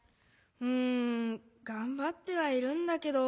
うんがんばってはいるんだけど。